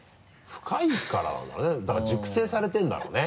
深いからなんだろうねだから熟成されてるんだろうね。